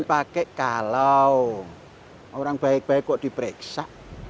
dipakai kalau orang baik baik kok diperiksa